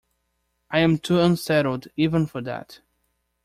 I am too unsettled even for that.